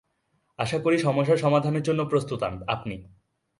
আশা করি, সমস্যা সমাধানের জন্য প্রস্তুত আপনি।